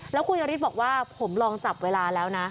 แล้วคุณยฤทธิ์บอกว่าผมลองจับเวลาแล้วนะ